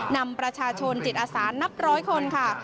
นำประชาชนจิตอาสานับร้อยคนค่ะ